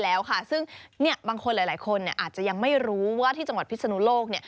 แล้วค่ะซึ่งบางคนหลายคนอาจจะยังไม่รู้ว่าที่จังหวัดพิศนุโลก